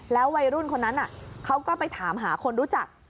วัยรุ่นคนนั้นเขาก็ไปถามหาคนรู้จัก